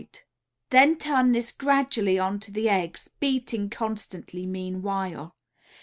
Then turn this gradually onto the eggs, beating constantly meanwhile.